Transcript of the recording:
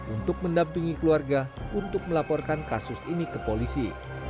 untuk mendampingi keluarga untuk melaporkan kasus ini ke polisi